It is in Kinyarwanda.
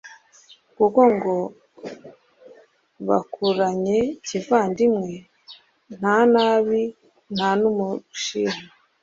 kuko ngo bakuranye kivandimwe, nta nabi nta n' umushiha.